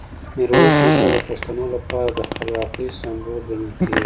میرویس نیکه د پښتنو لپاره د خپلواکۍ سمبول ګڼل کېږي.